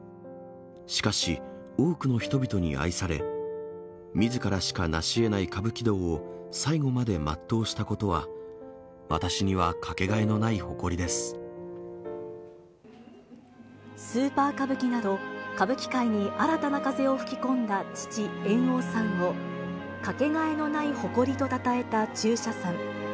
しかし、多くの人々に愛され、みずからしか成しえない歌舞伎道を最後まで全うしたことは、スーパー歌舞伎など、歌舞伎界に新たな風を吹き込んだ父、猿翁さんを、掛けがえのない誇りとたたえた中車さん。